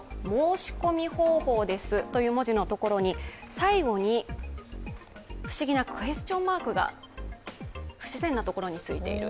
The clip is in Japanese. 最後に不思議なクエスチョンマークが、不自然なところについている。